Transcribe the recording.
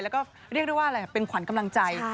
แล้วก็เรียกได้ว่าอะไรเป็นขวัญกำลังใจ